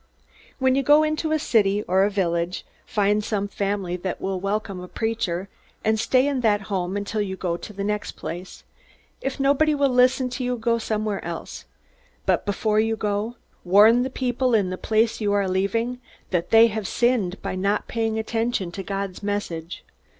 "When you go into a city or a village, find some family that will welcome a preacher; and stay in that home until you go to the next place. If nobody will listen to you, go somewhere else. But before you go, warn the people in the place which you are leaving that they have sinned by not paying attention to God's message."